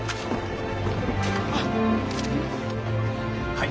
はい。